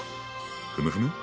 ふむふむ！